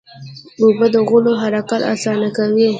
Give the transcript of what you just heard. اوبه د غولو حرکت اسانه کوي.